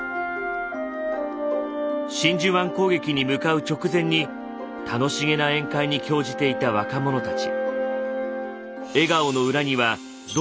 真珠湾攻撃に向かう直前に楽しげな宴会に興じていた若者たち。